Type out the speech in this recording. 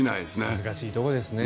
難しいところですね。